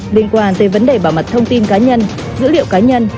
liên quan tới vấn đề bảo mật thông tin cá nhân dữ liệu cá nhân